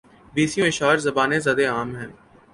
بیسیوں اشعار زبانِ زدِ عام ہیں